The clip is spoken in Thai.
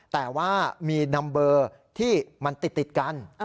แต่ว่ามีนัมเบอร์ที่มันติดกัน